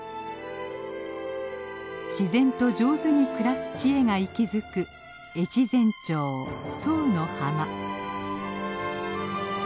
自然と上手に暮らす知恵が息づく越前町左右の浜。